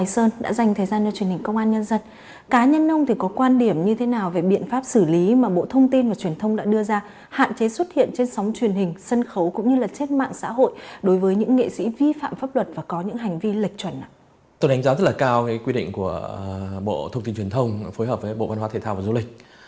tôi đánh giá rất là cao quy định của bộ thông tin truyền thông phối hợp với bộ văn hóa thể thao và du lịch